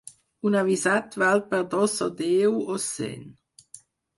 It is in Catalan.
Un avisat val per dos o deu, o cent.